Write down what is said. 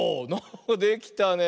できたねえ。